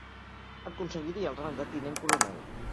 Aconseguiria el rang de tinent coronel.